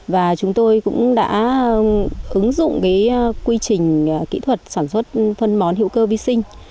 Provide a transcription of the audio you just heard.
và chúng tôi cũng đã ứng dụng quy trình kỹ thuật sản xuất phân bón hữu cơ vi sinh